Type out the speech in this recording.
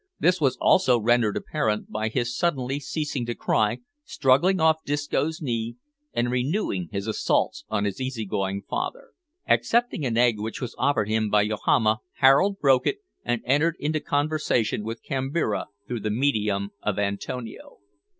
This was also rendered apparent by his suddenly ceasing to cry, struggling off Disco's knee, and renewing his assaults on his easy going father. Accepting an egg which was offered him by Yohama, Harold broke it, and entered into conversation with Kambira through the medium of Antonio.